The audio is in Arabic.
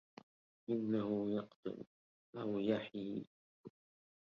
إنه يقتل أويحيي